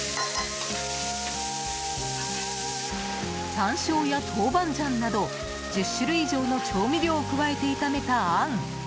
山椒や豆板醤など１０種類以上の調味料を加えて炒めたあん。